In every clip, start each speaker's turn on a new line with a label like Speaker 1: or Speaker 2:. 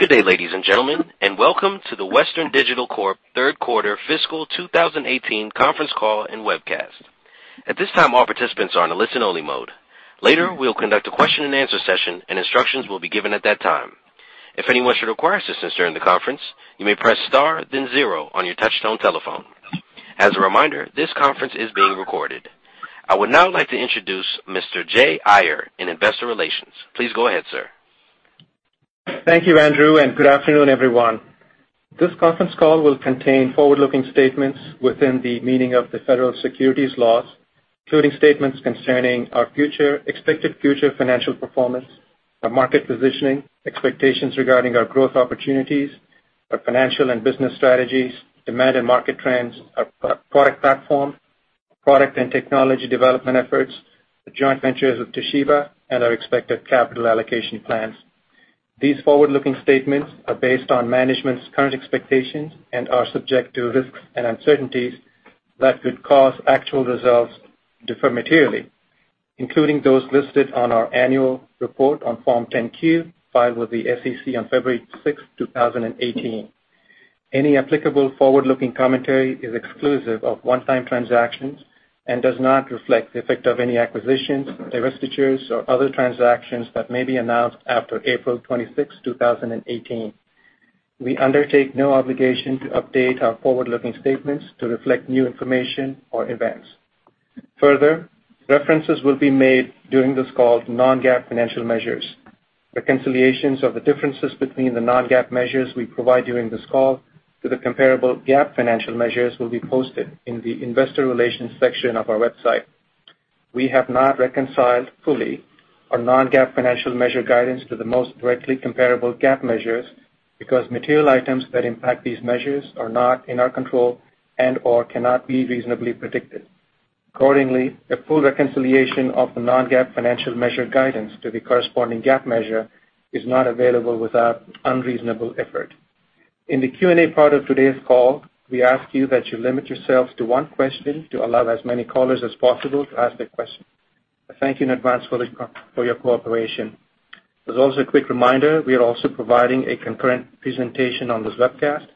Speaker 1: Good day, ladies and gentlemen, and welcome to the Western Digital Corp 3rd Quarter Fiscal 2018 conference call and webcast. At this time, all participants are in a listen-only mode. Later, we'll conduct a question and answer session, and instructions will be given at that time. If anyone should require assistance during the conference, you may press star then zero on your touchtone telephone. As a reminder, this conference is being recorded. I would now like to introduce Mr. Jay Iyer in investor relations. Please go ahead, sir.
Speaker 2: Thank you, Andrew. Good afternoon, everyone. This conference call will contain forward-looking statements within the meaning of the federal securities laws, including statements concerning our expected future financial performance, our market positioning, expectations regarding our growth opportunities, our financial and business strategies, demand and market trends, our product platform, product and technology development efforts, the joint ventures with Toshiba, and our expected capital allocation plans. These forward-looking statements are based on management's current expectations and are subject to risks and uncertainties that could cause actual results to differ materially, including those listed on our annual report on Form 10-K filed with the SEC on February 6th, 2018. Any applicable forward-looking commentary is exclusive of one-time transactions and does not reflect the effect of any acquisitions, divestitures, or other transactions that may be announced after April 26th, 2018. We undertake no obligation to update our forward-looking statements to reflect new information or events. References will be made during this call to non-GAAP financial measures. Reconciliations of the differences between the non-GAAP measures we provide during this call to the comparable GAAP financial measures will be posted in the investor relations section of our website. We have not reconciled fully our non-GAAP financial measure guidance to the most directly comparable GAAP measures because material items that impact these measures are not in our control and/or cannot be reasonably predicted. Accordingly, the full reconciliation of the non-GAAP financial measure guidance to the corresponding GAAP measure is not available without unreasonable effort. In the Q&A part of today's call, we ask you that you limit yourselves to one question to allow as many callers as possible to ask a question. I thank you in advance for your cooperation. A quick reminder, we are also providing a concurrent presentation on this webcast.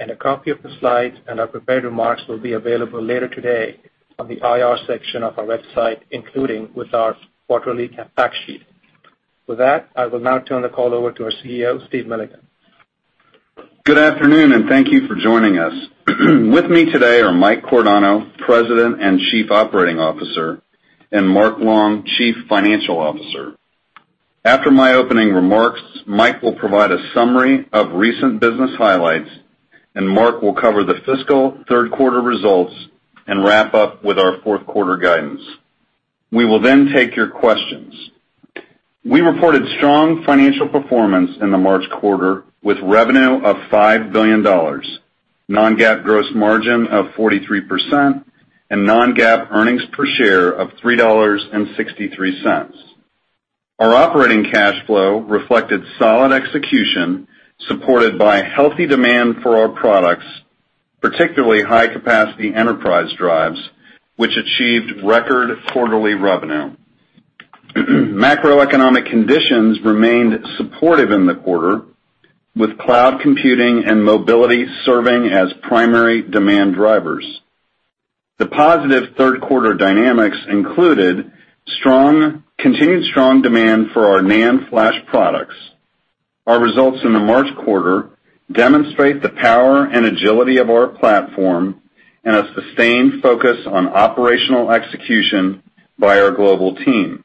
Speaker 2: A copy of the slides and our prepared remarks will be available later today on the IR section of our website, including with our quarterly fact sheet. I will now turn the call over to our CEO, Steve Milligan.
Speaker 3: Good afternoon, and thank you for joining us. With me today are Mike Cordano, President and Chief Operating Officer, and Mark Long, Chief Financial Officer. After my opening remarks, Mike will provide a summary of recent business highlights, and Mark will cover the fiscal third-quarter results and wrap up with our fourth-quarter guidance. We will take your questions. We reported strong financial performance in the March quarter with revenue of $5 billion, non-GAAP gross margin of 43%, and non-GAAP earnings per share of $3.63. Our operating cash flow reflected solid execution supported by healthy demand for our products, particularly high-capacity enterprise drives, which achieved record quarterly revenue. Macroeconomic conditions remained supportive in the quarter, with cloud computing and mobility serving as primary demand drivers. The positive third-quarter dynamics included continued strong demand for our NAND Flash products. Our results in the March quarter demonstrate the power and agility of our platform and a sustained focus on operational execution by our global team.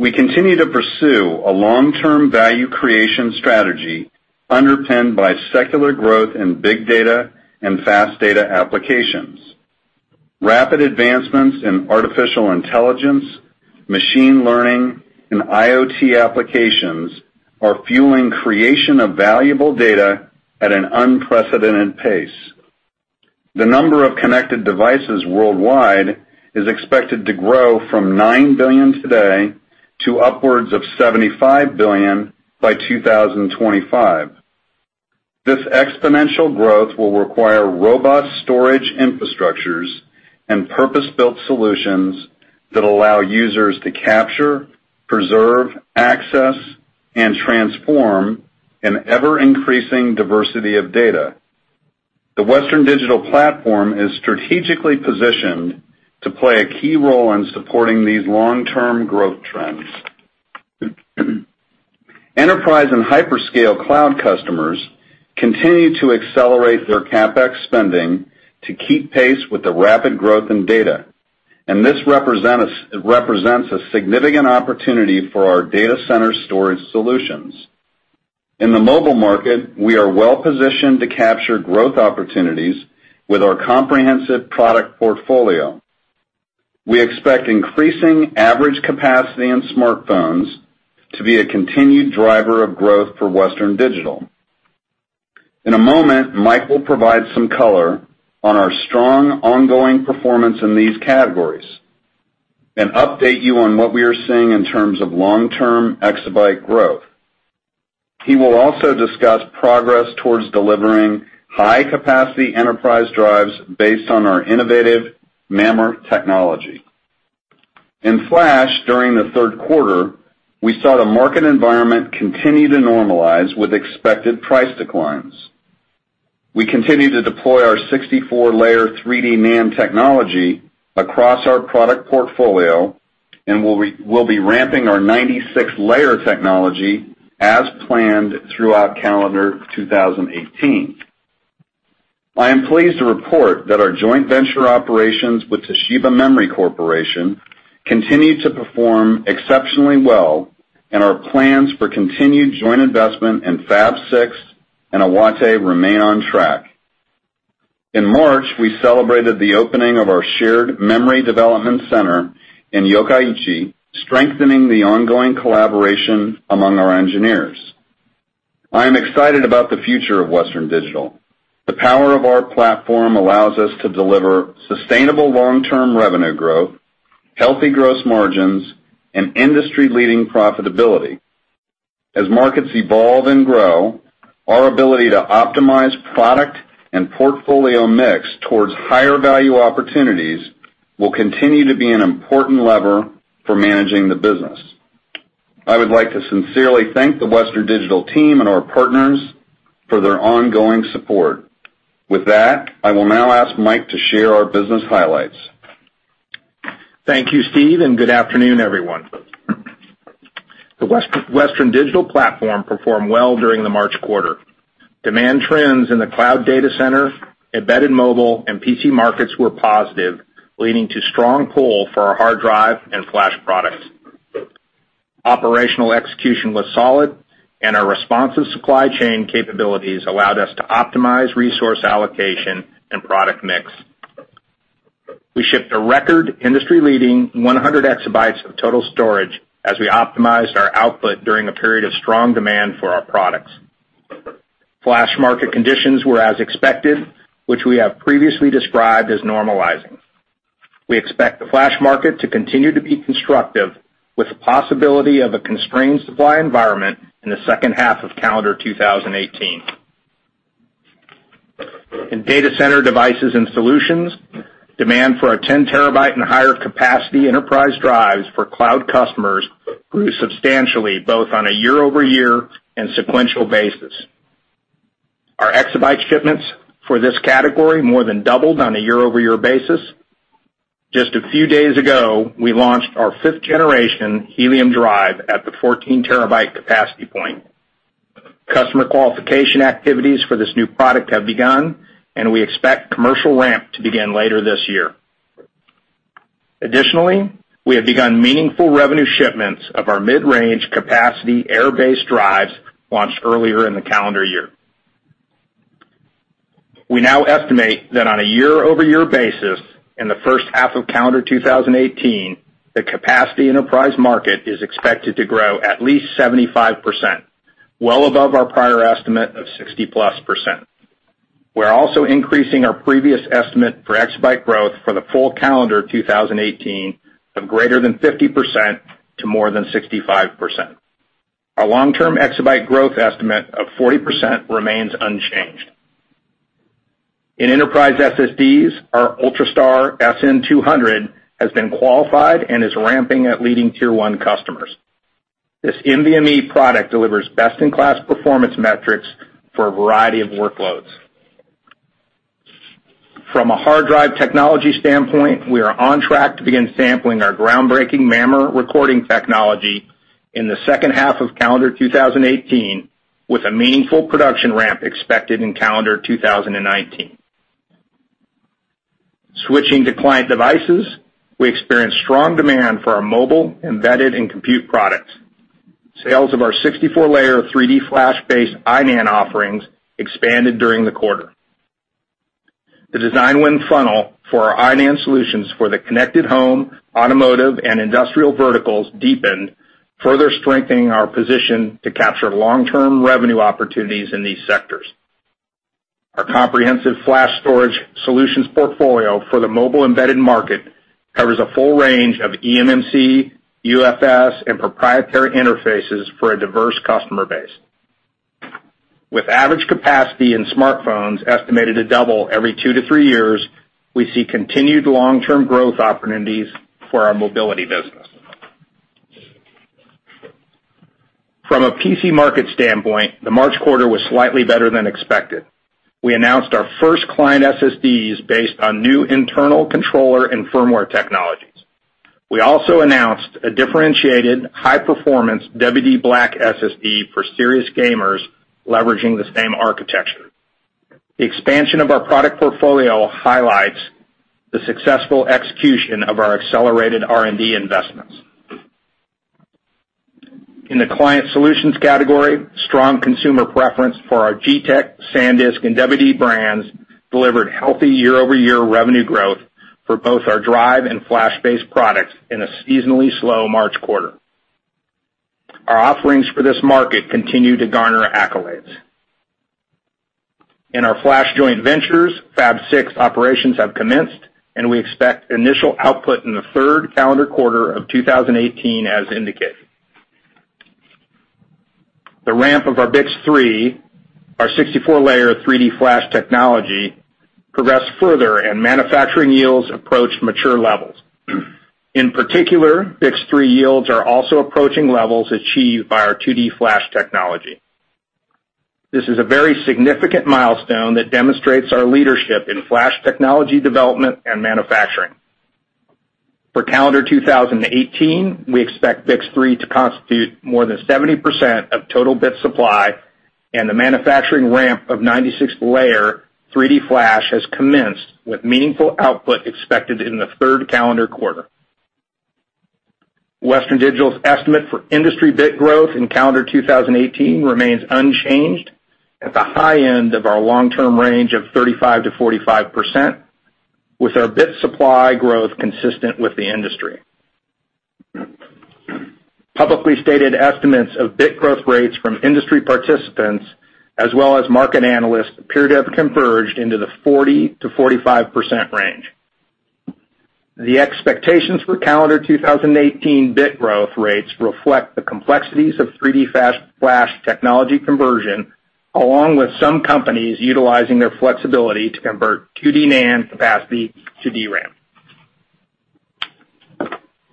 Speaker 3: We continue to pursue a long-term value creation strategy underpinned by secular growth in big data and fast data applications. Rapid advancements in artificial intelligence, machine learning, and IoT applications are fueling creation of valuable data at an unprecedented pace. The number of connected devices worldwide is expected to grow from nine billion today to upwards of 75 billion by 2025. This exponential growth will require robust storage infrastructures and purpose-built solutions that allow users to capture, preserve, access, and transform an ever-increasing diversity of data. The Western Digital platform is strategically positioned to play a key role in supporting these long-term growth trends. Enterprise and hyperscale cloud customers continue to accelerate their CapEx spending to keep pace with the rapid growth in data. This represents a significant opportunity for our data center storage solutions. In the mobile market, we are well-positioned to capture growth opportunities with our comprehensive product portfolio. We expect increasing average capacity in smartphones to be a continued driver of growth for Western Digital. In a moment, Mike will provide some color on our strong ongoing performance in these categories and update you on what we are seeing in terms of long-term exabyte growth. He will also discuss progress towards delivering high-capacity enterprise drives based on our innovative MAMR technology. In flash, during the third quarter, we saw the market environment continue to normalize with expected price declines. We continue to deploy our 64-layer 3D NAND technology across our product portfolio. We'll be ramping our 96-layer technology as planned throughout calendar 2018. I am pleased to report that our joint venture operations with Toshiba Memory Corporation continue to perform exceptionally well. Our plans for continued joint investment in Fab 6 and Iwate remain on track. In March, we celebrated the opening of our shared memory development center in Yokkaichi, strengthening the ongoing collaboration among our engineers. I am excited about the future of Western Digital. The power of our platform allows us to deliver sustainable long-term revenue growth, healthy gross margins, and industry-leading profitability. As markets evolve and grow, our ability to optimize product and portfolio mix towards higher value opportunities will continue to be an important lever for managing the business. I would like to sincerely thank the Western Digital team and our partners for their ongoing support. With that, I will now ask Mike to share our business highlights.
Speaker 4: Thank you, Steve, and good afternoon, everyone. The Western Digital platform performed well during the March quarter. Demand trends in the cloud data center, embedded mobile, and PC markets were positive, leading to strong pull for our hard drive and flash products. Operational execution was solid, and our responsive supply chain capabilities allowed us to optimize resource allocation and product mix. We shipped a record industry-leading 100 exabytes of total storage as we optimized our output during a period of strong demand for our products. Flash market conditions were as expected, which we have previously described as normalizing. We expect the flash market to continue to be constructive, with the possibility of a constrained supply environment in the second half of calendar 2018. In data center devices and solutions, demand for our 10-terabyte and higher-capacity enterprise drives for cloud customers grew substantially, both on a year-over-year and sequential basis. Our exabyte shipments for this category more than doubled on a year-over-year basis. Just a few days ago, we launched our fifth generation Helium Drive at the 14-terabyte capacity point. Customer qualification activities for this new product have begun, and we expect commercial ramp to begin later this year. We have begun meaningful revenue shipments of our mid-range capacity air-based drives launched earlier in the calendar year. We now estimate that on a year-over-year basis in the first half of calendar 2018, the capacity enterprise market is expected to grow at least 75%, well above our prior estimate of 60-plus%. We're also increasing our previous estimate for exabyte growth for the full calendar 2018 of greater than 50% to more than 65%. Our long-term exabyte growth estimate of 40% remains unchanged. In enterprise SSDs, our Ultrastar SN200 has been qualified and is ramping at leading tier 1 customers. This NVMe product delivers best-in-class performance metrics for a variety of workloads. From a hard drive technology standpoint, we are on track to begin sampling our groundbreaking MAMR recording technology in the second half of calendar 2018, with a meaningful production ramp expected in calendar 2019. Switching to client devices, we experienced strong demand for our mobile, embedded, and compute products. Sales of our 64-layer 3D flash-based iNAND offerings expanded during the quarter. The design win funnel for our iNAND solutions for the connected home, automotive, and industrial verticals deepened, further strengthening our position to capture long-term revenue opportunities in these sectors. Our comprehensive flash storage solutions portfolio for the mobile-embedded market covers a full range of eMMC, UFS, and proprietary interfaces for a diverse customer base. With average capacity in smartphones estimated to double every two to three years, we see continued long-term growth opportunities for our mobility business. From a PC market standpoint, the March quarter was slightly better than expected. We announced our first client SSDs based on new internal controller and firmware technologies. We also announced a differentiated high-performance WD Black SSD for serious gamers, leveraging the same architecture. The expansion of our product portfolio highlights the successful execution of our accelerated R&D investments. In the client solutions category, strong consumer preference for our G-Tech, SanDisk, and WD brands delivered healthy year-over-year revenue growth for both our drive and flash-based products in a seasonally slow March quarter. Our offerings for this market continue to garner accolades. In our flash joint ventures, Fab 6 operations have commenced, and we expect initial output in the third calendar quarter of 2018 as indicated. The ramp of our BiCS3, our 64-layer 3D Flash technology, progressed further, and manufacturing yields approached mature levels. In particular, BiCS3 yields are also approaching levels achieved by our 2D Flash technology. This is a very significant milestone that demonstrates our leadership in Flash technology development and manufacturing. For calendar 2018, we expect BiCS3 to constitute more than 70% of total bit supply, and the manufacturing ramp of 96 layer 3D Flash has commenced with meaningful output expected in the third calendar quarter. Western Digital's estimate for industry bit growth in calendar 2018 remains unchanged at the high end of our long-term range of 35%-45%, with our bit supply growth consistent with the industry. Publicly stated estimates of bit growth rates from industry participants, as well as market analysts, appear to have converged into the 40%-45% range. The expectations for calendar 2018 bit growth rates reflect the complexities of 3D Flash technology conversion, along with some companies utilizing their flexibility to convert 2D NAND capacity to DRAM.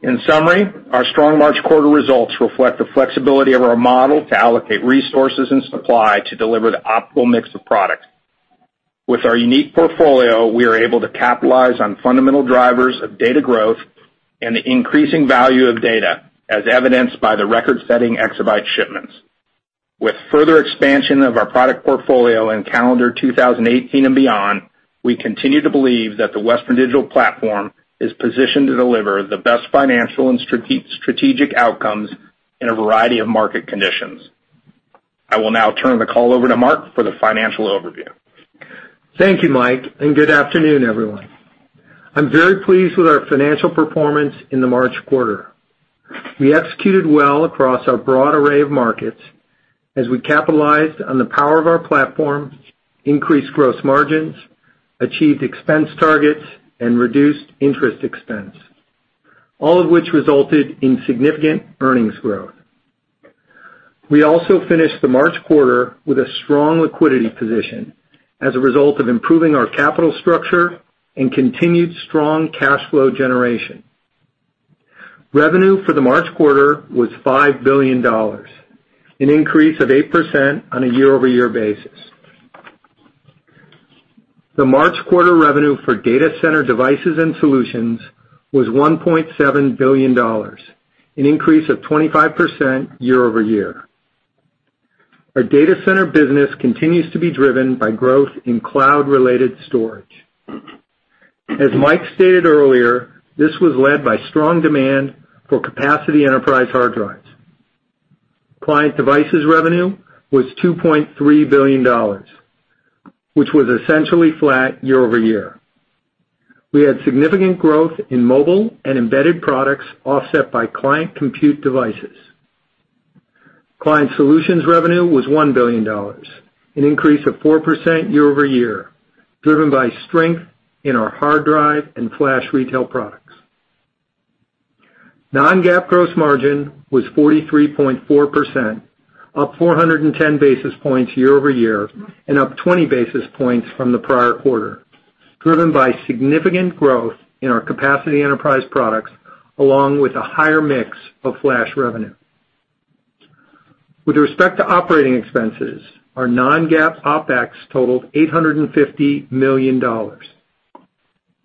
Speaker 4: In summary, our strong March quarter results reflect the flexibility of our model to allocate resources and supply to deliver the optimal mix of product. With our unique portfolio, we are able to capitalize on fundamental drivers of data growth and the increasing value of data, as evidenced by the record-setting exabyte shipments. With further expansion of our product portfolio in calendar 2018 and beyond, we continue to believe that the Western Digital platform is positioned to deliver the best financial and strategic outcomes in a variety of market conditions. I will now turn the call over to Mark for the financial overview.
Speaker 5: Thank you, Mike. Good afternoon, everyone. I'm very pleased with our financial performance in the March quarter. We executed well across our broad array of markets as we capitalized on the power of our platform, increased gross margins, achieved expense targets, and reduced interest expense, all of which resulted in significant earnings growth. We also finished the March quarter with a strong liquidity position as a result of improving our capital structure and continued strong cash flow generation. Revenue for the March quarter was $5 billion, an increase of 8% on a year-over-year basis. The March quarter revenue for data center devices and solutions was $1.7 billion, an increase of 25% year-over-year. Our data center business continues to be driven by growth in cloud-related storage. As Mike stated earlier, this was led by strong demand for capacity enterprise hard drives. Client devices revenue was $2.3 billion, which was essentially flat year-over-year. We had significant growth in mobile and embedded products offset by client compute devices. Client solutions revenue was $1 billion, an increase of 4% year-over-year, driven by strength in our hard drive and Flash retail products. Non-GAAP gross margin was 43.4%, up 410 basis points year-over-year, and up 20 basis points from the prior quarter, driven by significant growth in our capacity enterprise products, along with a higher mix of Flash revenue. With respect to operating expenses, our non-GAAP OpEx totaled $850 million.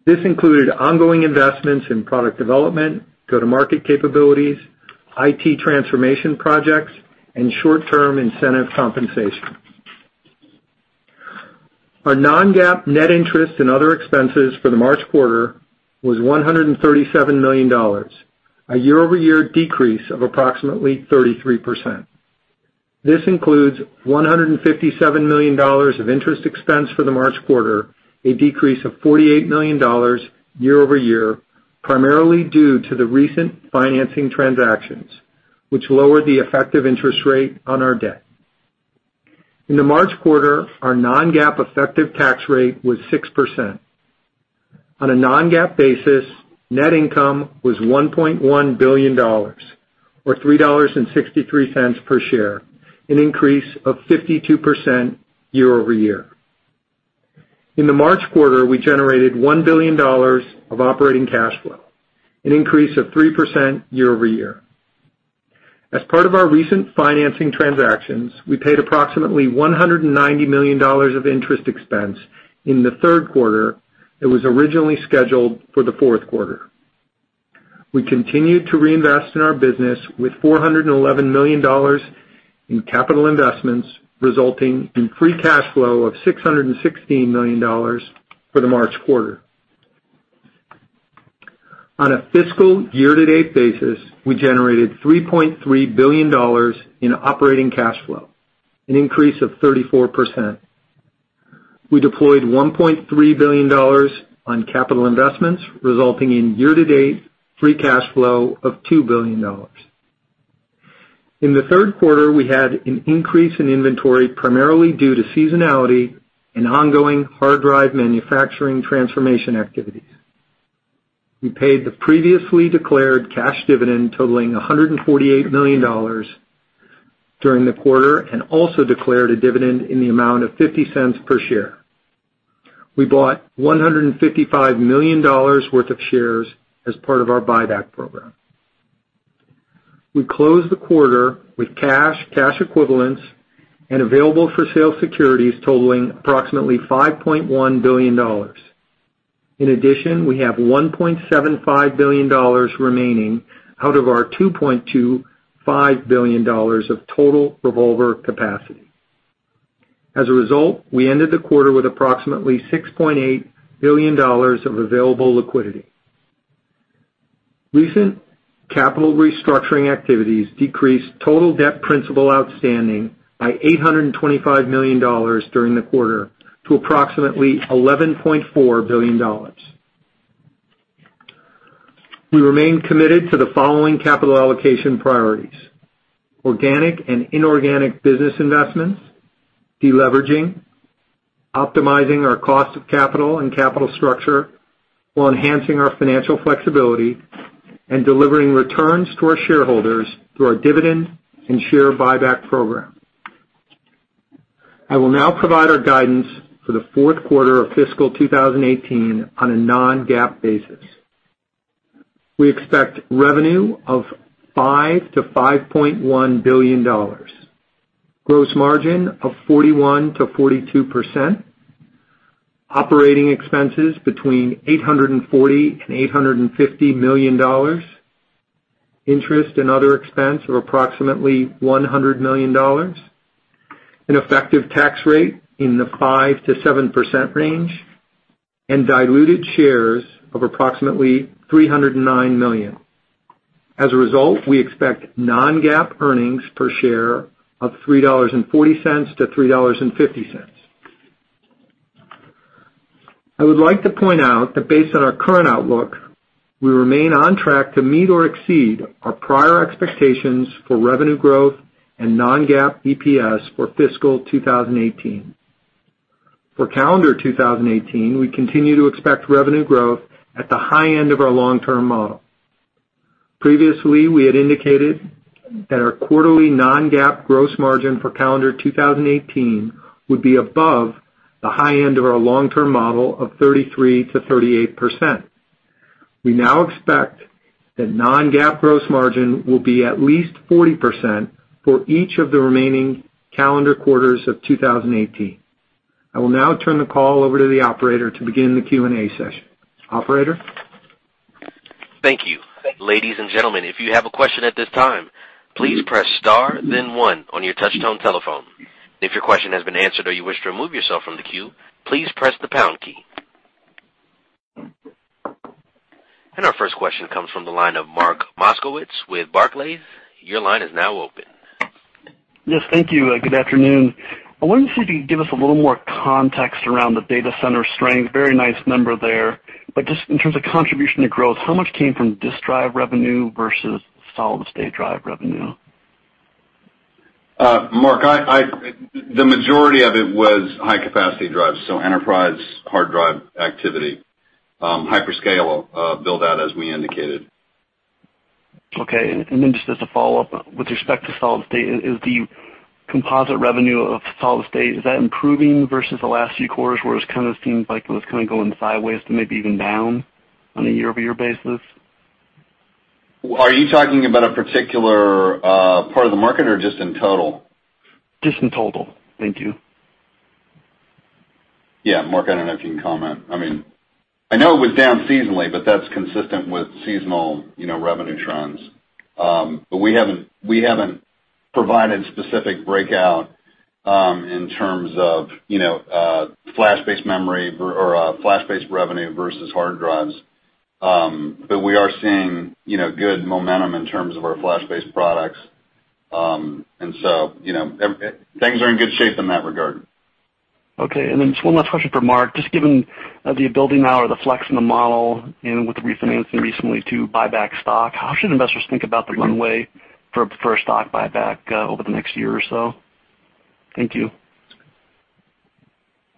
Speaker 5: This included ongoing investments in product development, go-to-market capabilities, IT transformation projects, and short-term incentive compensation. Our non-GAAP net interest and other expenses for the March quarter was $137 million, a year-over-year decrease of approximately 33%. This includes $157 million of interest expense for the March quarter, a decrease of $48 million year-over-year, primarily due to the recent financing transactions, which lowered the effective interest rate on our debt. In the March quarter, our non-GAAP effective tax rate was 6%. On a non-GAAP basis, net income was $1.1 billion, or $3.63 per share, an increase of 52% year-over-year. In the March quarter, we generated $1 billion of operating cash flow, an increase of 3% year-over-year. As part of our recent financing transactions, we paid approximately $190 million of interest expense in the third quarter that was originally scheduled for the fourth quarter. We continued to reinvest in our business with $411 million in capital investments, resulting in free cash flow of $616 million for the March quarter. On a fiscal year-to-date basis, we generated $3.3 billion in operating cash flow, an increase of 34%. We deployed $1.3 billion on capital investments, resulting in year-to-date free cash flow of $2 billion. In the third quarter, we had an increase in inventory primarily due to seasonality and ongoing hard drive manufacturing transformation activities. We paid the previously declared cash dividend totaling $148 million during the quarter, and also declared a dividend in the amount of $0.50 per share. We bought $155 million worth of shares as part of our buyback program. We closed the quarter with cash equivalents, and available-for-sale securities totaling approximately $5.1 billion. In addition, we have $1.75 billion remaining out of our $2.25 billion of total revolver capacity. As a result, we ended the quarter with approximately $6.8 billion of available liquidity. Recent capital restructuring activities decreased total debt principal outstanding by $825 million during the quarter to approximately $11.4 billion. We remain committed to the following capital allocation priorities: organic and inorganic business investments, deleveraging, optimizing our cost of capital and capital structure, while enhancing our financial flexibility, and delivering returns to our shareholders through our dividend and share buyback program. I will now provide our guidance for the fourth quarter of fiscal 2018 on a non-GAAP basis. We expect revenue of $5 billion-$5.1 billion, gross margin of 41%-42%, operating expenses between $840 million and $850 million, interest and other expense of approximately $100 million, an effective tax rate in the 5%-7% range, and diluted shares of approximately 309 million. As a result, we expect non-GAAP earnings per share of $3.40-$3.50. I would like to point out that based on our current outlook, we remain on track to meet or exceed our prior expectations for revenue growth and non-GAAP EPS for fiscal 2018. For calendar 2018, we continue to expect revenue growth at the high end of our long-term model. Previously, we had indicated that our quarterly non-GAAP gross margin for calendar 2018 would be above the high end of our long-term model of 33%-38%. We now expect that non-GAAP gross margin will be at least 40% for each of the remaining calendar quarters of 2018. I will now turn the call over to the operator to begin the Q&A session. Operator?
Speaker 1: Thank you. Ladies and gentlemen, if you have a question at this time, please press star then one on your touch tone telephone. If your question has been answered or you wish to remove yourself from the queue, please press the pound key. Our first question comes from the line of Mark Moskowitz with Barclays. Your line is now open.
Speaker 6: Yes, thank you. Good afternoon. I wonder if you could give us a little more context around the data center strength. Very nice number there, just in terms of contribution to growth, how much came from disk drive revenue versus solid-state drive revenue?
Speaker 3: Mark, the majority of it was high-capacity drives, so enterprise hard drive activity. Hyperscale build out as we indicated.
Speaker 6: Okay, just as a follow-up, with respect to solid state, is the composite revenue of solid state, is that improving versus the last few quarters where it kind of seemed like it was kind of going sideways to maybe even down on a year-over-year basis?
Speaker 3: Are you talking about a particular part of the market or just in total?
Speaker 6: Just in total. Thank you.
Speaker 3: Yeah. Mark, I don't know if you can comment. I know it was down seasonally, that's consistent with seasonal revenue trends. We haven't provided specific breakout in terms of flash-based memory or flash-based revenue versus hard drives. We are seeing good momentum in terms of our flash-based products. Things are in good shape in that regard.
Speaker 6: Okay, then just one last question for Mark. Just given the ability now or the flex in the model and with the refinancing recently to buy back stock, how should investors think about the runway for a stock buyback over the next year or so? Thank you.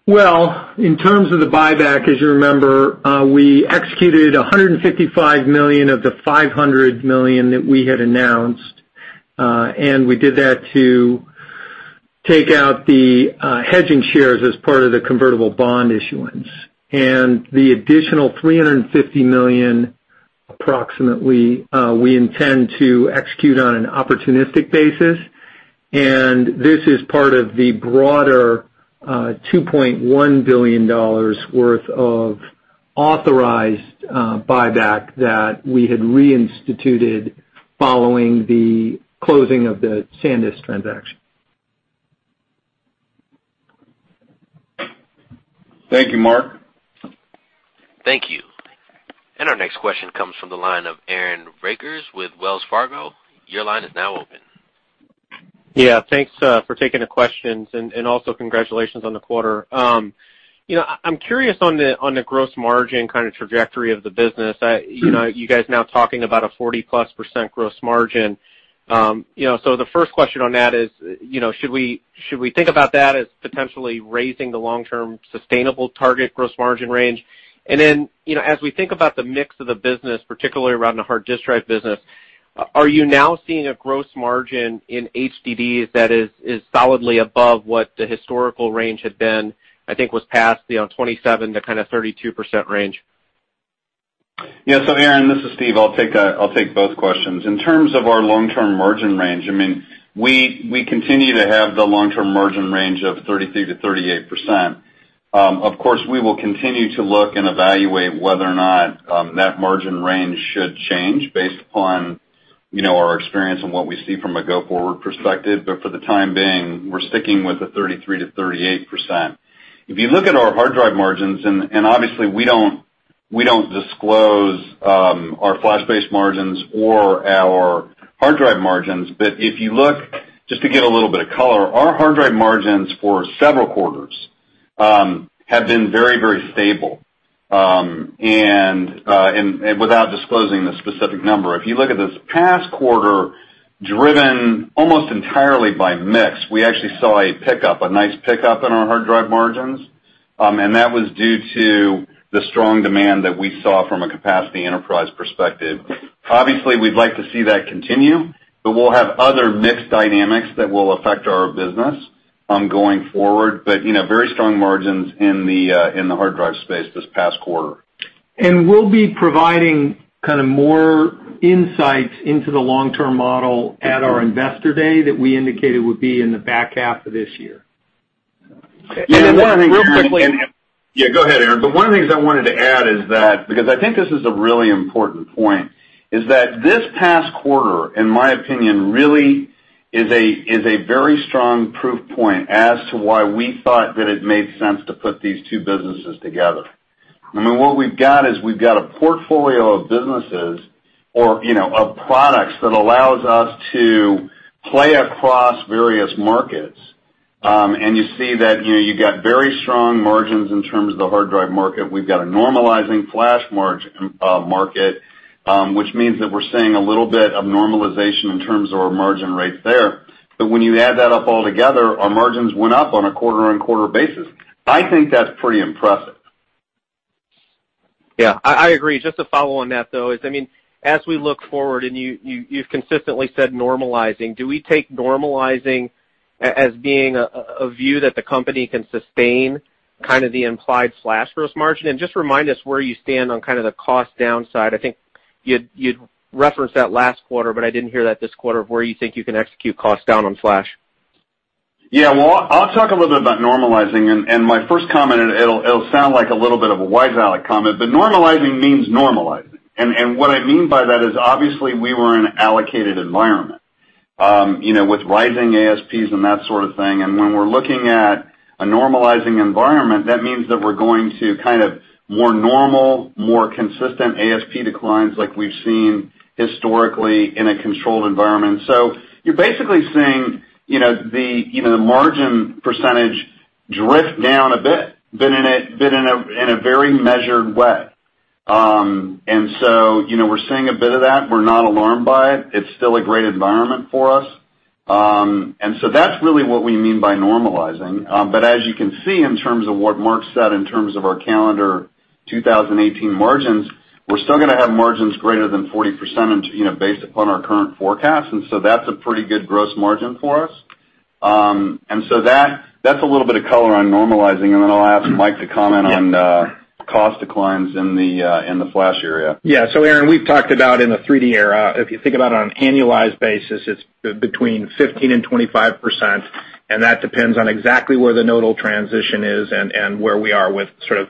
Speaker 5: Well, in terms of the buyback, as you remember, we executed $155 million of the $500 million that we had announced. We did that to take out the hedging shares as part of the convertible bond issuance. The additional $350 million, approximately, we intend to execute on an opportunistic basis. This is part of the broader $2.1 billion worth of authorized buyback that we had reinstituted following the closing of the SanDisk transaction.
Speaker 3: Thank you, Mark.
Speaker 1: Thank you. Our next question comes from the line of Aaron Rakers with Wells Fargo. Your line is now open.
Speaker 7: Thanks for taking the questions and also congratulations on the quarter. I'm curious on the gross margin trajectory of the business. You guys now talking about a 40+% gross margin. The first question on that is, should we think about that as potentially raising the long-term sustainable target gross margin range? As we think about the mix of the business, particularly around the hard disk drive business, are you now seeing a gross margin in HDDs that is solidly above what the historical range had been, I think was past the 27%-32% range?
Speaker 3: Yeah. Aaron, this is Steve. I'll take both questions. In terms of our long-term margin range, we continue to have the long-term margin range of 33%-38%. Of course, we will continue to look and evaluate whether or not that margin range should change based upon our experience and what we see from a go-forward perspective. For the time being, we're sticking with the 33%-38%. If you look at our hard drive margins, and obviously we don't disclose our flash-based margins or our hard drive margins, but if you look, just to get a little bit of color, our hard drive margins for several quarters have been very stable. Without disclosing the specific number, if you look at this past quarter, driven almost entirely by mix, we actually saw a nice pickup in our hard drive margins. That was due to the strong demand that we saw from a capacity enterprise perspective. Obviously, we'd like to see that continue, but we'll have other mix dynamics that will affect our business going forward. Very strong margins in the hard drive space this past quarter.
Speaker 4: We'll be providing more insights into the long-term model at our investor day that we indicated would be in the back half of this year.
Speaker 7: Okay. Real quickly.
Speaker 3: Yeah, go ahead, Aaron. One of the things I wanted to add is that, because I think this is a really important point, is that this past quarter, in my opinion, really is a very strong proof point as to why we thought that it made sense to put these two businesses together. We've got a portfolio of businesses or of products that allows us to play across various markets. You see that you've got very strong margins in terms of the hard drive market. We've got a normalizing flash market, which means that we're seeing a little bit of normalization in terms of our margin rates there. When you add that up all together, our margins went up on a quarter-on-quarter basis. I think that's pretty impressive.
Speaker 7: Yeah, I agree. Just to follow on that, though, as we look forward and you've consistently said normalizing, do we take normalizing as being a view that the company can sustain the implied flash gross margin? Just remind us where you stand on the cost downside. I think you'd referenced that last quarter, but I didn't hear that this quarter of where you think you can execute cost down on flash.
Speaker 3: Yeah. Well, I'll talk a little bit about normalizing, and my first comment, and it'll sound like a little bit of a wise aleck comment, but normalizing means normalizing. What I mean by that is obviously we were in an allocated environment with rising ASPs and that sort of thing, and when we're looking at a normalizing environment, that means that we're going to more normal, more consistent ASP declines like we've seen historically in a controlled environment. You're basically seeing the margin percentage drift down a bit, but in a very measured way. We're seeing a bit of that. We're not alarmed by it. It's still a great environment for us. That's really what we mean by normalizing. As you can see in terms of what Mark said in terms of our calendar 2018 margins, we're still going to have margins greater than 40% based upon our current forecast. That's a pretty good gross margin for us. That's a little bit of color on normalizing, then I'll ask Mike to comment on cost declines in the flash area.
Speaker 4: Aaron, we've talked about in the 3D era, if you think about it on an annualized basis, it's between 15% and 25%, and that depends on exactly where the nodal transition is and where we are with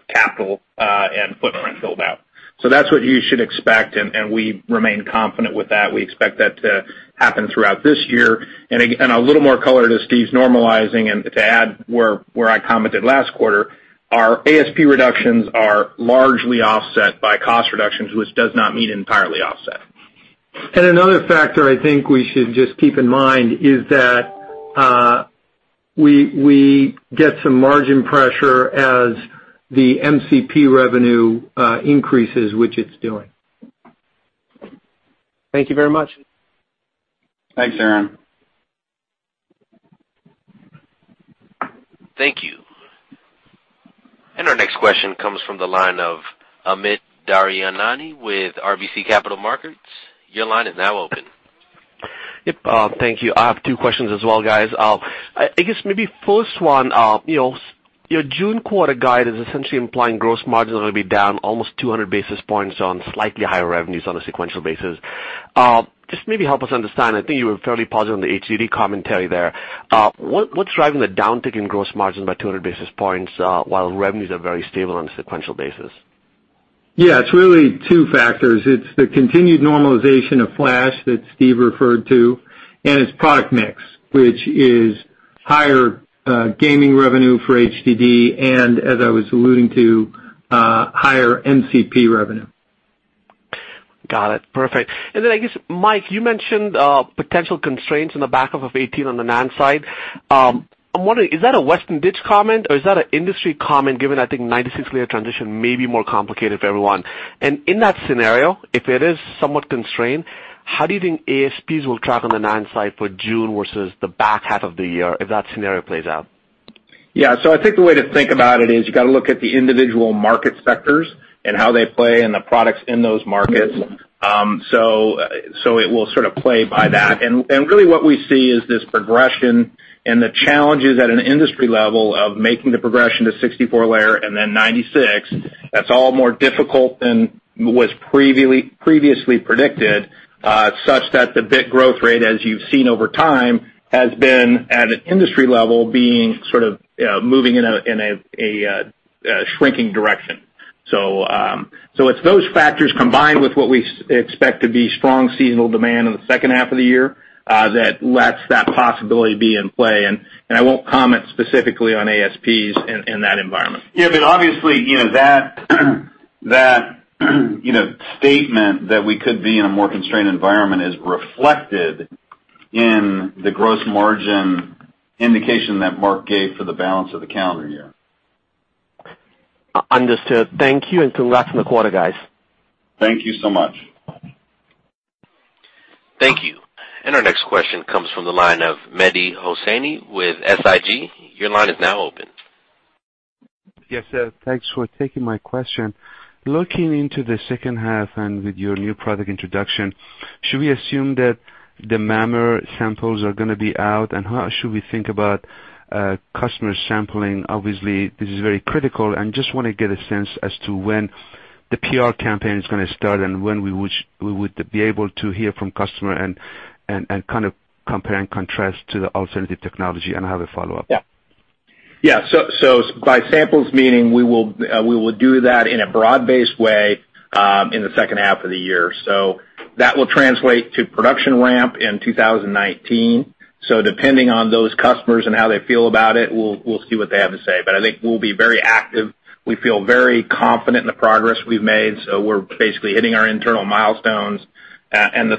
Speaker 4: capital and footprint build-out. That's what you should expect, and we remain confident with that. We expect that to happen throughout this year. A little more color to Steve's normalizing, and to add where I commented last quarter, our ASP reductions are largely offset by cost reductions, which does not mean entirely offset.
Speaker 3: Another factor I think we should just keep in mind is that we get some margin pressure as the MCP revenue increases, which it's doing.
Speaker 7: Thank you very much.
Speaker 3: Thanks, Aaron.
Speaker 1: Thank you. Our next question comes from the line of Amit Daryanani with RBC Capital Markets. Your line is now open.
Speaker 8: Yep. Thank you. I have two questions as well, guys. I guess maybe first one, your June quarter guide is essentially implying gross margin will be down almost 200 basis points on slightly higher revenues on a sequential basis. Just maybe help us understand, I think you were fairly positive on the HDD commentary there. What's driving the downtick in gross margin by 200 basis points while revenues are very stable on a sequential basis?
Speaker 4: Yeah, it's really two factors. It's the continued normalization of flash that Steve referred to, and it's product mix, which is higher gaming revenue for HDD, and as I was alluding to, higher MCP revenue.
Speaker 8: Got it. Perfect. I guess, Mike, you mentioned potential constraints in the back half of 2018 on the NAND side. I'm wondering, is that a Western Digital comment or is that an industry comment, given I think 96-layer transition may be more complicated for everyone? In that scenario, if it is somewhat constrained, how do you think ASPs will track on the NAND side for June versus the back half of the year if that scenario plays out?
Speaker 3: Yeah. I think the way to think about it is you got to look at the individual market sectors and how they play and the products in those markets. It will sort of play by that. Really what we see is this progression and the challenges at an industry level of making the progression to 64-layer and then 96, that's all more difficult than was previously predicted, such that the bit growth rate, as you've seen over time, has been at an industry level, being sort of moving in a shrinking direction. It's those factors combined with what we expect to be strong seasonal demand in the second half of the year, that lets that possibility be in play. I won't comment specifically on ASPs in that environment. Yeah, obviously, that statement that we could be in a more constrained environment is reflected in the gross margin indication that Mark gave for the balance of the calendar year.
Speaker 8: Understood. Thank you, congrats on the quarter, guys.
Speaker 3: Thank you so much.
Speaker 1: Thank you. Our next question comes from the line of Mehdi Hosseini with SIG. Your line is now open.
Speaker 9: Yes. Thanks for taking my question. Looking into the second half and with your new product introduction, should we assume that the MAMR samples are going to be out, and how should we think about customer sampling? Obviously, this is very critical, just want to get a sense as to when the PR campaign is going to start and when we would be able to hear from customer and kind of compare and contrast to the alternative technology. I have a follow-up.
Speaker 3: Yeah. By samples meaning we will do that in a broad-based way in the second half of the year. That will translate to production ramp in 2019. Depending on those customers and how they feel about it, we'll see what they have to say. I think we'll be very active. We feel very confident in the progress we've made. We're basically hitting our internal milestones, and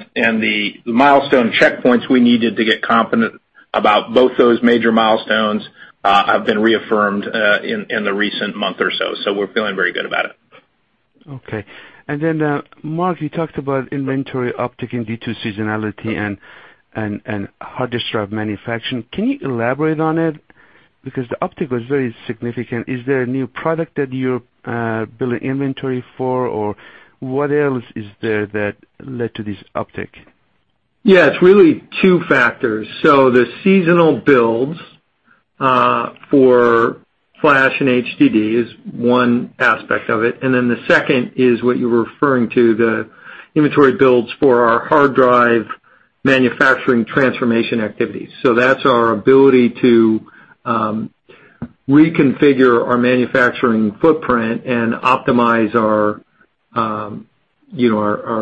Speaker 3: the milestone checkpoints we needed to get confident about both those major milestones have been reaffirmed in the recent month or so. We're feeling very good about it.
Speaker 9: Mark, you talked about inventory uptick in due to seasonality and hard disk drive manufacturing. Can you elaborate on it? The uptick was very significant. Is there a new product that you're building inventory for, or what else is there that led to this uptick?
Speaker 5: It's really two factors. The seasonal builds for flash and HDD is one aspect of it, the second is what you were referring to, the inventory builds for our hard drive manufacturing transformation activities. That's our ability to reconfigure our manufacturing footprint and optimize our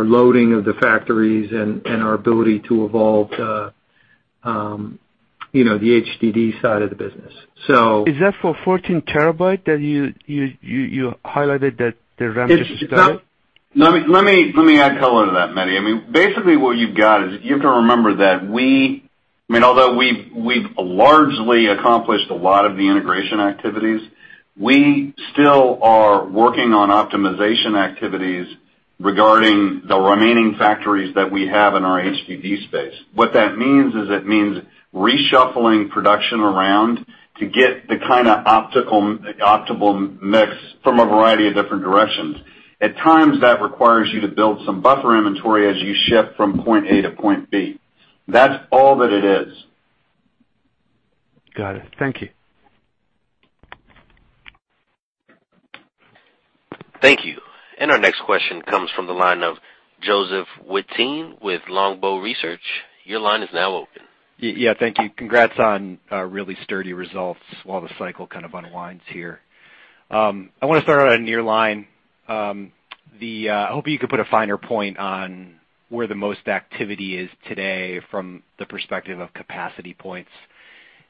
Speaker 5: loading of the factories and our ability to evolve the HDD side of the business.
Speaker 9: Is that for 14 terabyte that you highlighted that the ramp just started?
Speaker 3: Let me add color to that, Mehdi. What you've got is, you have to remember that although we've largely accomplished a lot of the integration activities, we still are working on optimization activities regarding the remaining factories that we have in our HDD space. What that means is it means reshuffling production around to get the kind of optimal mix from a variety of different directions. At times, that requires you to build some buffer inventory as you shift from point A to point B. That's all that it is.
Speaker 9: Got it. Thank you.
Speaker 1: Thank you. Our next question comes from the line of Joe Wittine with Longbow Research. Your line is now open.
Speaker 10: Yeah, thank you. Congrats on really sturdy results while the cycle kind of unwinds here. I want to start on Nearline. I hope you could put a finer point on where the most activity is today from the perspective of capacity points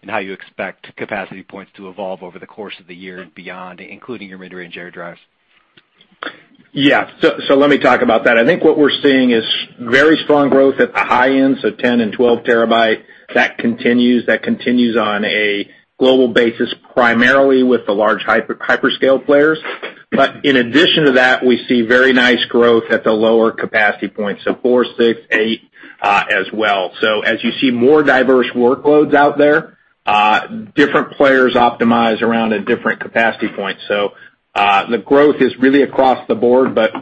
Speaker 10: and how you expect capacity points to evolve over the course of the year and beyond, including your mid-range array drives.
Speaker 3: Yeah. Let me talk about that. I think what we're seeing is very strong growth at the high end, so 10 and 12 terabyte. That continues on a global basis, primarily with the large hyperscale players. In addition to that, we see very nice growth at the lower capacity points, so four, six, eight as well. As you see more diverse workloads out there, different players optimize around a different capacity point. The growth is really across the board, but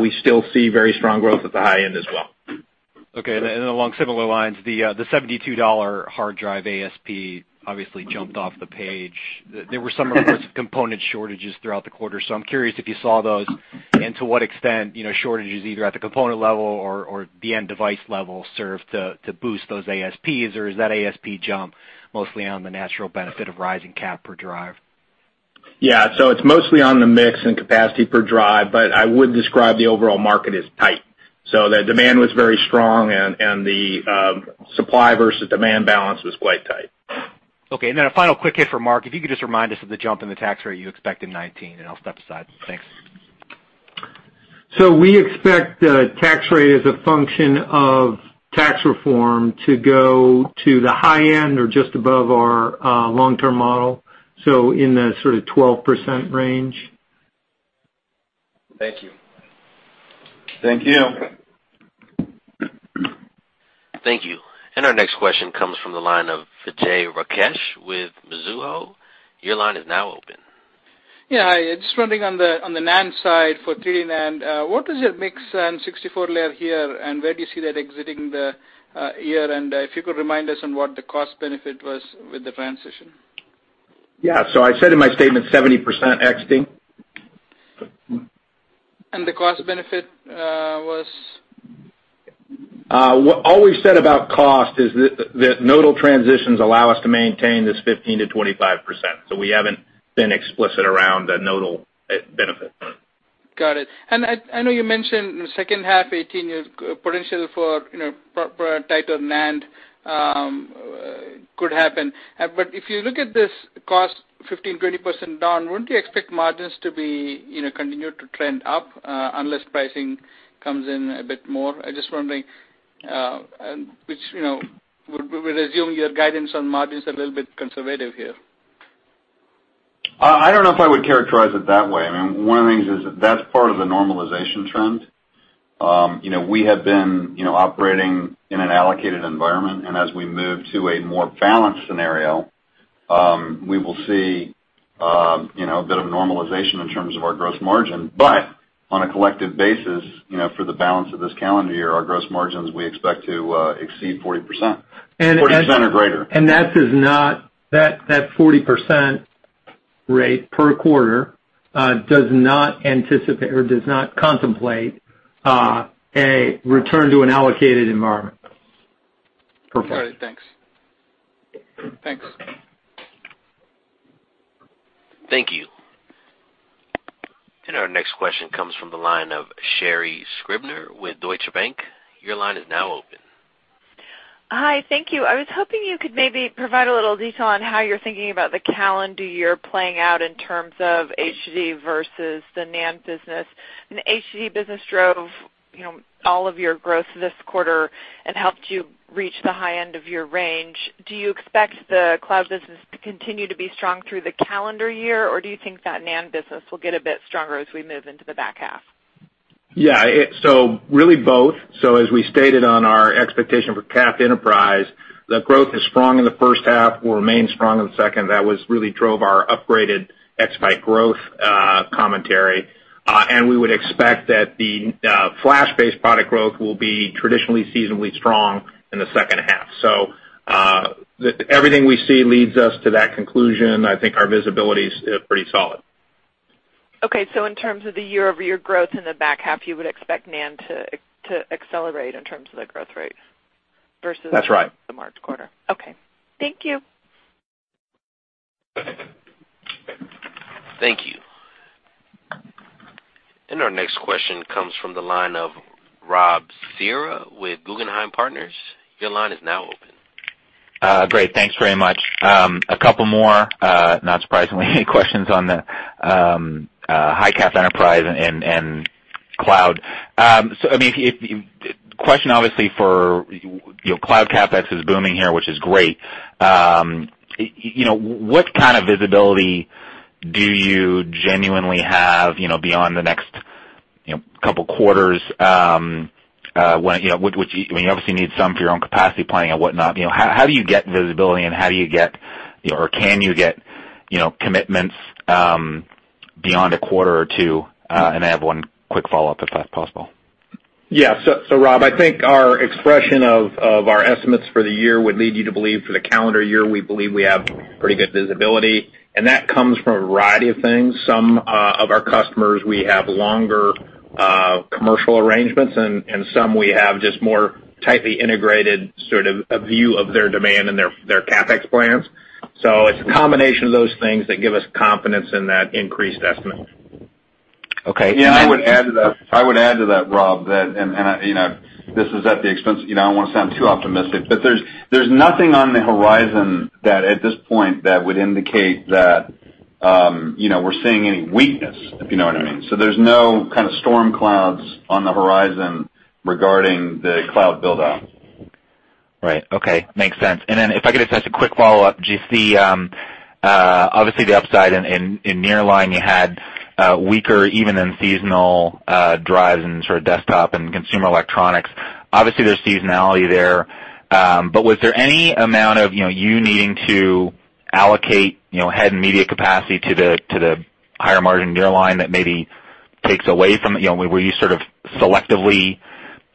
Speaker 3: we still see very strong growth at the high end as well.
Speaker 10: Okay. Along similar lines, the $72 hard drive ASP obviously jumped off the page. There were some reports of component shortages throughout the quarter, so I'm curious if you saw those and to what extent, shortages either at the component level or the end device level served to boost those ASPs, or is that ASP jump mostly on the natural benefit of rising cap per drive?
Speaker 3: Yeah. It's mostly on the mix and capacity per drive, I would describe the overall market as tight. The demand was very strong and the supply versus demand balance was quite tight.
Speaker 10: Okay. A final quick hit for Mark. If you could just remind us of the jump in the tax rate you expect in 2019, and I'll step aside. Thanks.
Speaker 5: We expect the tax rate as a function of tax reform to go to the high end or just above our long-term model. In the sort of 12% range.
Speaker 10: Thank you.
Speaker 3: Thank you.
Speaker 1: Thank you. Our next question comes from the line of Vijay Rakesh with Mizuho. Your line is now open.
Speaker 11: Yeah. Hi. Just wondering on the NAND side for 3D NAND, what is your mix in 64 layer here, and where do you see that exiting the year? If you could remind us on what the cost benefit was with the transition.
Speaker 3: Yeah. I said in my statement 70% exiting.
Speaker 11: The cost benefit was?
Speaker 3: All we've said about cost is that nodal transitions allow us to maintain this 15%-25%. We haven't been explicit around the nodal benefit.
Speaker 11: Got it. I know you mentioned in the second half 2018 potential for tighter NAND could happen. If you look at this cost 15%, 20% down, wouldn't you expect margins to continue to trend up, unless pricing comes in a bit more? I'm just wondering, which we'll assume your guidance on margin's a little bit conservative here.
Speaker 3: I don't know if I would characterize it that way. One of the things is that's part of the normalization trend. We have been operating in an allocated environment, as we move to a more balanced scenario, we will see a bit of normalization in terms of our gross margin. On a collective basis, for the balance of this calendar year, our gross margins, we expect to exceed 40% or greater.
Speaker 5: That 40% rate per quarter does not contemplate a return to an allocated environment.
Speaker 11: Perfect. All right, thanks.
Speaker 3: Thanks.
Speaker 1: Thank you. Our next question comes from the line of Sherri Scribner with Deutsche Bank. Your line is now open.
Speaker 12: Hi, thank you. I was hoping you could maybe provide a little detail on how you're thinking about the calendar year playing out in terms of HDD versus the NAND business. HDD business drove all of your growth this quarter and helped you reach the high end of your range. Do you expect the cloud business to continue to be strong through the calendar year, or do you think that NAND business will get a bit stronger as we move into the back half?
Speaker 3: Yeah. Really both. As we stated on our expectation for capacity enterprise, the growth is strong in the first half, will remain strong in the second. That really drove our upgraded exabyte growth commentary. We would expect that the flash-based product growth will be traditionally seasonally strong in the second half. Everything we see leads us to that conclusion. I think our visibility's pretty solid.
Speaker 12: Okay, in terms of the year-over-year growth in the back half, you would expect NAND to accelerate in terms of the growth rate versus-
Speaker 3: That's right.
Speaker 12: the March quarter. Okay. Thank you.
Speaker 1: Thank you. Our next question comes from the line of Robert Cihra with Guggenheim Partners. Your line is now open.
Speaker 13: Great. Thanks very much. A couple more, not surprisingly questions on the high capacity enterprise and cloud. Question obviously for your cloud CapEx is booming here, which is great. What kind of visibility do you genuinely have beyond the next couple quarters? You obviously need some for your own capacity planning and whatnot. How do you get visibility and how do you get, or can you get commitments beyond a quarter or two? I have one quick follow-up, if that's possible.
Speaker 3: Yeah. Rob, I think our expression of our estimates for the year would lead you to believe for the calendar year, we believe we have pretty good visibility, and that comes from a variety of things. Some of our customers, we have longer commercial arrangements, and some we have just more tightly integrated sort of a view of their demand and their CapEx plans. It's a combination of those things that give us confidence in that increased estimate.
Speaker 13: Okay.
Speaker 3: Yeah, I would add to that, Rob, I don't want to sound too optimistic, but there's nothing on the horizon that at this point that would indicate that we're seeing any weakness, if you know what I mean. There's no kind of storm clouds on the horizon regarding the cloud buildup.
Speaker 13: Right. Okay. Makes sense. If I could just ask a quick follow-up, do you see obviously the upside in nearline, you had weaker even in seasonal drives and sort of desktop and consumer electronics. Obviously, there's seasonality there. Was there any amount of you needing to allocate head and media capacity to the higher margin nearline that maybe takes away from it? Were you sort of selectively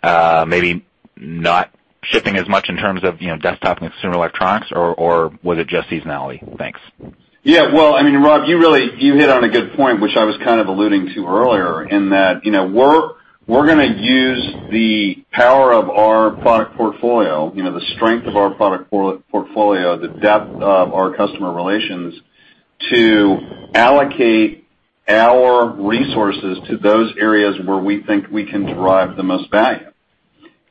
Speaker 13: maybe not shipping as much in terms of desktop and consumer electronics, or was it just seasonality? Thanks.
Speaker 3: Yeah. Well, Rob, you hit on a good point, which I was kind of alluding to earlier in that we're going to use the power of our product portfolio, the strength of our product portfolio, the depth of our customer relations, to allocate our resources to those areas where we think we can derive the most value.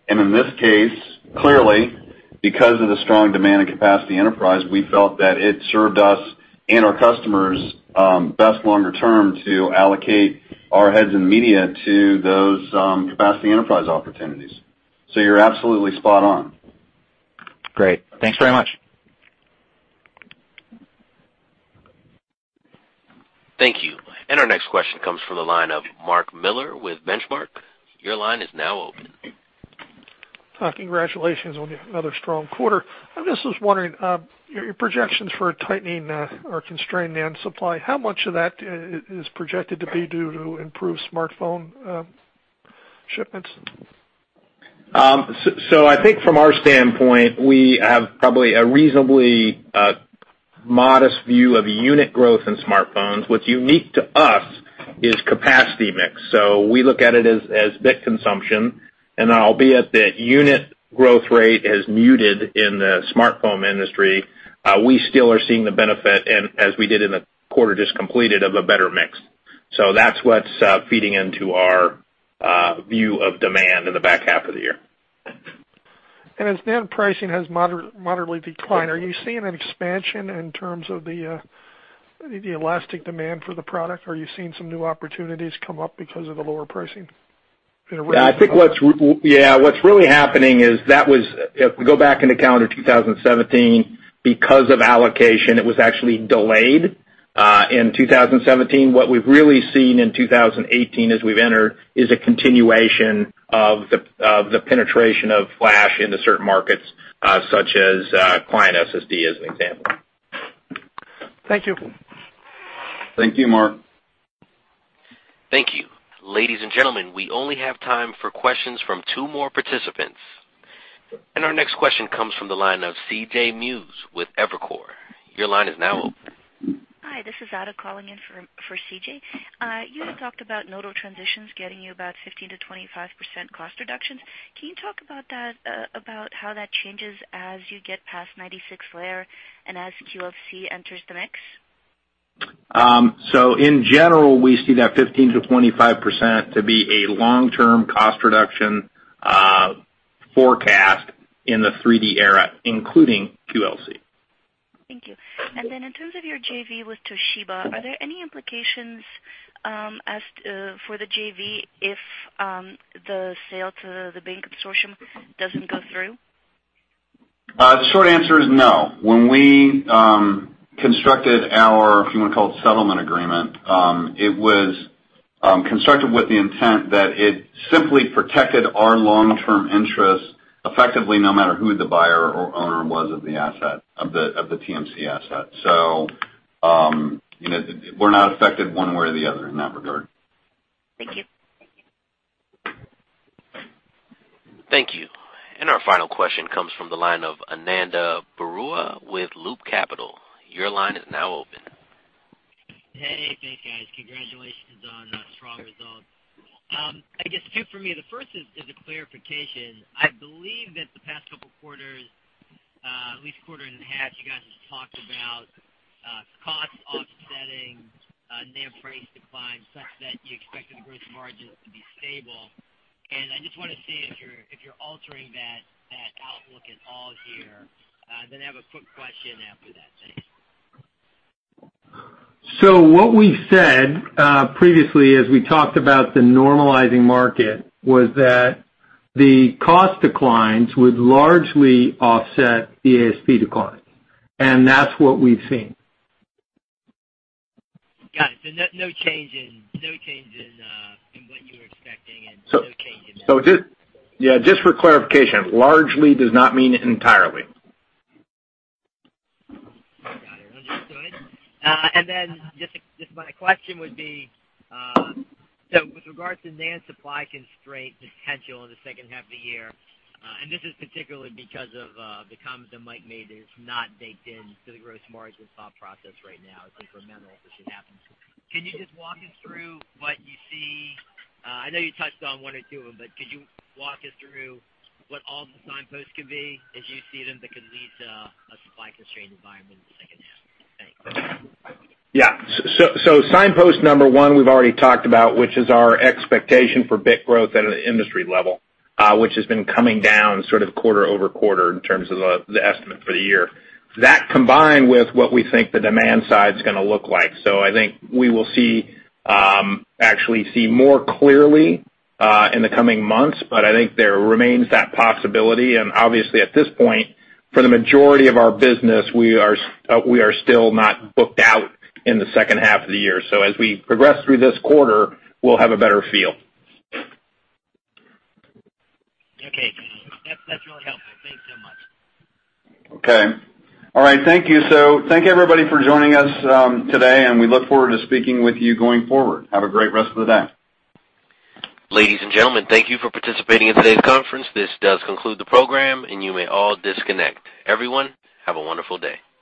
Speaker 3: In this case, clearly, because of the strong demand in capacity enterprise, we felt that it served us and our customers best longer term to allocate our heads and media to those capacity enterprise opportunities. You're absolutely spot on.
Speaker 13: Great. Thanks very much.
Speaker 1: Thank you. Our next question comes from the line of Mark Miller with Benchmark. Your line is now open.
Speaker 14: Congratulations on another strong quarter. I just was wondering, your projections for tightening are constrained NAND supply. How much of that is projected to be due to improved smartphone shipments?
Speaker 3: I think from our standpoint, we have probably a reasonably modest view of unit growth in smartphones. What's unique to us is capacity mix. We look at it as bit consumption, and albeit the unit growth rate has muted in the smartphone industry, we still are seeing the benefit, and as we did in the quarter just completed, of a better mix. That's what's feeding into our view of demand in the back half of the year.
Speaker 14: As NAND pricing has moderately declined, are you seeing an expansion in terms of the elastic demand for the product? Are you seeing some new opportunities come up because of the lower pricing in a way?
Speaker 3: Yeah. What's really happening is, if we go back into calendar 2017, because of allocation, it was actually delayed in 2017. What we've really seen in 2018 as we've entered is a continuation of the penetration of flash into certain markets, such as client SSD, as an example.
Speaker 14: Thank you.
Speaker 3: Thank you, Mark.
Speaker 1: Thank you. Ladies and gentlemen, we only have time for questions from two more participants. Our next question comes from the line of C.J. Muse with Evercore. Your line is now open.
Speaker 15: Hi, this is Ada calling in for C.J. You had talked about nodal transitions getting you about 15%-25% cost reductions. Can you talk about how that changes as you get past 96 layer and as QLC enters the mix?
Speaker 3: In general, we see that 15%-25% to be a long-term cost reduction forecast in the 3D era, including QLC.
Speaker 15: Thank you. Then in terms of your JV with Toshiba, are there any implications for the JV if the sale to the bank consortium doesn't go through?
Speaker 3: The short answer is no. When we constructed our, if you want to call it, settlement agreement, it was constructed with the intent that it simply protected our long-term interests effectively, no matter who the buyer or owner was of the TMC asset. We're not affected one way or the other in that regard.
Speaker 15: Thank you.
Speaker 1: Thank you. Our final question comes from the line of Ananda Baruah with Loop Capital. Your line is now open.
Speaker 16: Hey, thanks, guys. Congratulations on a strong result. I guess two for me, the first is a clarification. I believe that the past couple of quarters, at least a quarter and a half, you guys have talked about cost offsetting NAND price declines such that you expected gross margins to be stable. I just want to see if you're altering that outlook at all here. I have a quick question after that. Thanks.
Speaker 3: What we've said previously, as we talked about the normalizing market, was that the cost declines would largely offset the ASP declines, and that's what we've seen.
Speaker 16: Got it. No change in what you were expecting and no change in that.
Speaker 3: Yeah, just for clarification, largely does not mean entirely.
Speaker 16: Got it. Understood. Just my question would be, with regards to NAND supply constraint potential in the second half of the year, and this is particularly because of the comments that Mike made, that it's not baked in to the gross margin thought process right now. I think we're mindful if this should happen. Can you just walk us through what you see? I know you touched on one or two of them, but could you walk us through what all the signposts could be as you see them, that could lead to a supply-constrained environment in the second half? Thanks.
Speaker 3: Yeah. Signpost number 1 we've already talked about, which is our expectation for bit growth at an industry level, which has been coming down sort of quarter-over-quarter in terms of the estimate for the year. That combined with what we think the demand side is going to look like. I think we will actually see more clearly in the coming months. I think there remains that possibility, and obviously at this point, for the majority of our business, we are still not booked out in the second half of the year. As we progress through this quarter, we'll have a better feel.
Speaker 16: Okay, cool. That's really helpful. Thanks so much.
Speaker 3: Okay. All right. Thank you. Thank you, everybody, for joining us today, and we look forward to speaking with you going forward. Have a great rest of the day.
Speaker 1: Ladies and gentlemen, thank you for participating in today's conference. This does conclude the program, and you may all disconnect. Everyone, have a wonderful day.